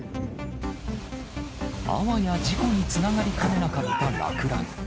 あわや事故につながりかねなかった落雷。